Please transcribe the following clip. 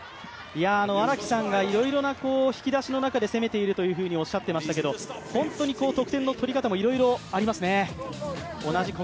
荒木さんがいろいろな引き出しの中で攻めているとおっしゃっていましたけど、本当に得点の取り方もいろいろありますね。